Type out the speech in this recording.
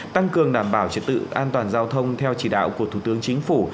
tăng cường đảm bảo trật tự an toàn giao thông theo chỉ đạo của thủ tướng chính phủ